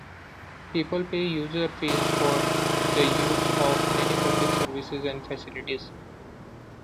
People pay user fees for the use of many public services and facilities.